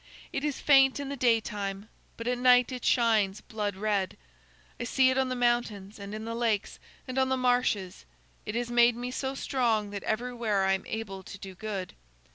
It is faint in the daytime, but at night it shines blood red. I see it on the mountains, and in the lakes, and on the marshes. It has made me so strong that everywhere I am able to do good.